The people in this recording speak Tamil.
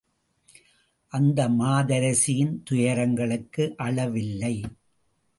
அந்த மாதரசியின் துயரங்களுக்கு அளவில்லை.